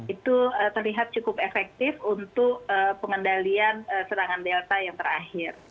itu terlihat cukup efektif untuk pengendalian serangan delta yang terakhir